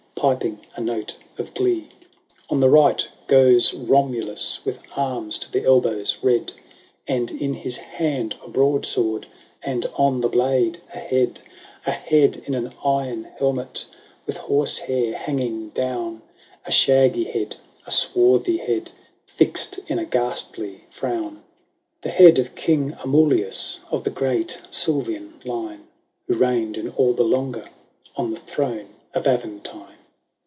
Piping a note of glee. VII. On the right goes Romulus, With arms to the elbows red. And in his hand a broadsword. And on the blade a head — A head in an iron helmet. With horse hair hanging down, A shaggy head, a swarthy head, Fixed in a ghastly frown — The head of King Amulius Of the great Sylvian line. Who reigned in Alba Longa, On the throne of Aventine.